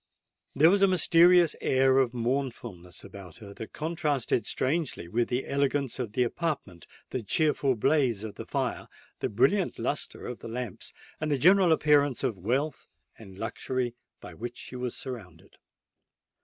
There was a mysterious air of mournfulness about her that contrasted strangely with the elegance of the apartment, the cheerful blaze of the fire, the brilliant lustre of the lamps, and the general appearance of wealth and luxury by which she was surrounded.